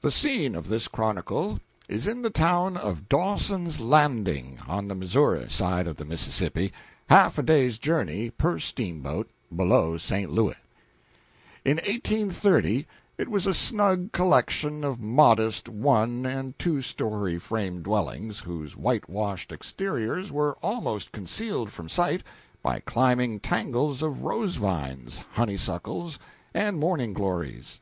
The scene of this chronicle is the town of Dawson's Landing, on the Missouri side of the Mississippi, half a day's journey, per steamboat, below St. Louis. In 1830 it was a snug little collection of modest one and two story frame dwellings whose whitewashed exteriors were almost concealed from sight by climbing tangles of rose vines, honeysuckles, and morning glories.